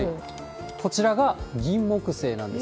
こちらがギンモクセイなんです。